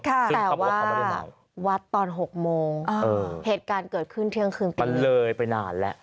แต่ว่าวัดตอน๖โมงเหตุการณ์เกิดขึ้นเที่ยงคืนไปมันเลยไปนานแล้ว